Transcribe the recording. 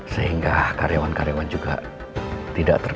sehingga karyawan karyawan juga tidak terlalu